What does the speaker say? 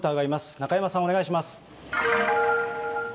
中山さん、お願いします。